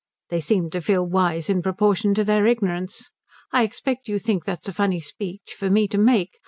They seem to feel wise in proportion to their ignorance. I expect you think that's a funny speech for me to make.